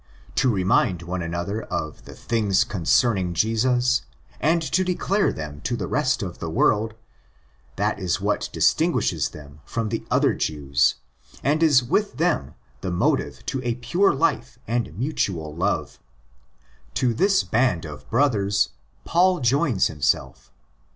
To remind one another of 'the things concerning Jesus," and to declare them to the rest of the world—that is what distinguishes them from the other Jews, and is with them the motive to a pure life and mutual love. To this band of brothers Paul joins himself.